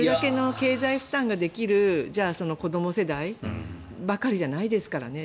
それだけの経済負担ができる子ども世代ばかりじゃないですからね。